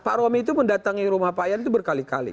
pak romi itu mendatangi rumah pak yan itu berkali kali